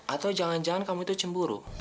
atau jangan jangan kamu itu cemburu